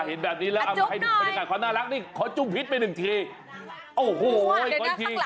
เห็นแบบนี้การความน่ารักขอจุบพิทธิ์ไปหนึ่งที